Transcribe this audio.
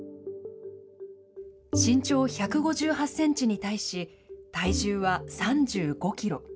身長１５８センチに対し、体重は３５キロ。